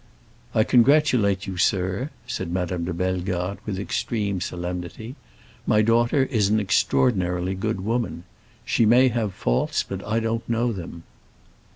"I congratulate you, sir," said Madame de Bellegarde, with extreme solemnity. "My daughter is an extraordinarily good woman. She may have faults, but I don't know them."